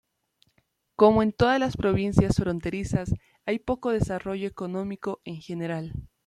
Como en todas las provincias fronterizas, hay poco desarrollo económico en general.